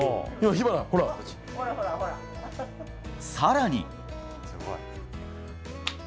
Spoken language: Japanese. さらに。